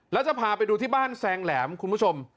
แล้วจะพาไปดูที่บ้านแซงแหลมคุณผู้ชม